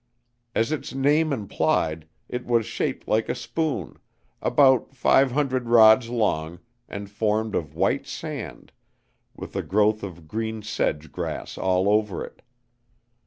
As its name implied, it was shaped like a spoon, about five hundreds rods long and formed of white sand, with a growth of green sedge grass all over it.